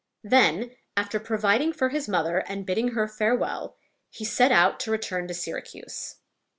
Then, after providing for his mother and bidding her farewell, he set out to return to Syracuse.